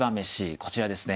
こちらですね。